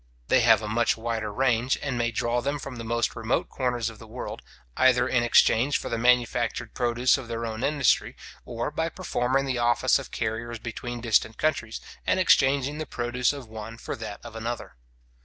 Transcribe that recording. They have a much wider range, and may draw them from the most remote corners of the world, either in exchange for the manufactured produce of their own industry, or by performing the office of carriers between distant countries, and exchanging the produce of one for that of another.